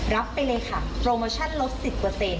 รับไปเลยค่ะโปรโมชั่นลด๑๐